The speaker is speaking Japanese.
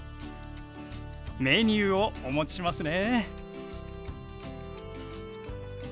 メニューをお持ちしますね。